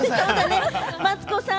マツコさん。